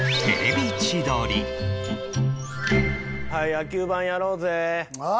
野球盤やろうぜー。